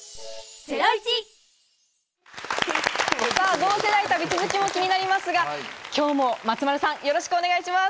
同世代旅、続きも気になりますが、今日も松丸さん、お願いします。